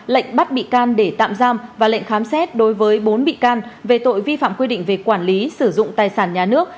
lệnh bắt bị can để tạm giam và lệnh khám xét đối với bốn bị can về tội vi phạm quy định về quản lý sử dụng tài sản nhà nước